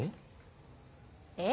え？